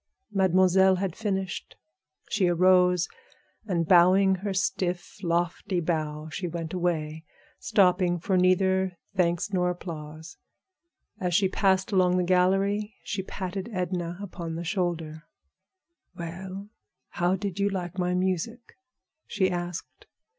Mademoiselle had finished. She arose, and bowing her stiff, lofty bow, she went away, stopping for neither thanks nor applause. As she passed along the gallery she patted Edna upon the shoulder. "Well, how did you like my music?" she asked.